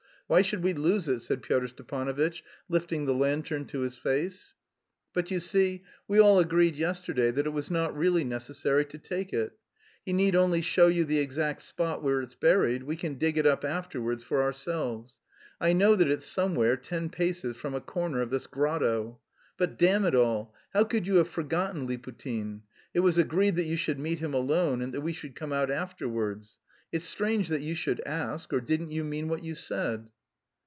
Why should we lose it?" said Pyotr Stepanovitch, lifting the lantern to his face. "But, you see, we all agreed yesterday that it was not really necessary to take it. He need only show you the exact spot where it's buried; we can dig it up afterwards for ourselves. I know that it's somewhere ten paces from a corner of this grotto. But, damn it all! how could you have forgotten, Liputin? It was agreed that you should meet him alone and that we should come out afterwards.... It's strange that you should ask or didn't you mean what you said?"